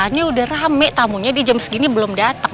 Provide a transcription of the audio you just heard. ini udah rame tamunya di jam segini belum datang